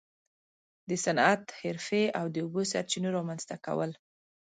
د صنعت، حرفې او د اوبو سرچینو رامنځته کول.